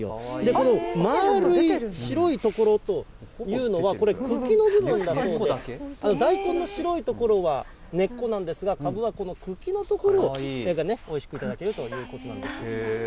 この丸い白い所というのは、これ、茎の部分だそうで、大根の白い所は根っこなんですが、かぶはこの茎のところをおいしく頂けるということなんです。